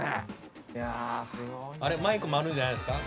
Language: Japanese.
あれマイクもあるんじゃないですか？